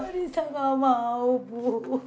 nisa gak mau bu